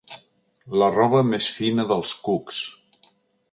La roba més fina dels cucs.